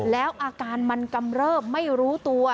แล้วอาการมันกำเริบไม่รู้ตัว